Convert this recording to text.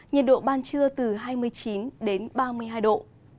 nhiệt độ ban trưa từ hai mươi chín đến ba mươi hai độ